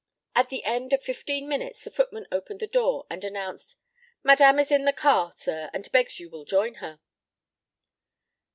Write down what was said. At the end of fifteen minutes the footman opened the door and announced: "Madame is in the car, sir, and begs you will join her."